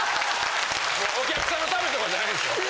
お客さんのためとかじゃないんですよ。